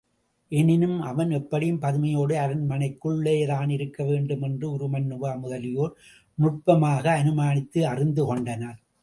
எனினும், அவன் எப்படியும் பதுமையோடு அரண்மனைக்குள்ளேதான் இருக்க வேண்டும் என்று உருமண்ணுவா முதலியோர் நுட்பமாக அனுமானித்து அறிந்துகொண்டனர்.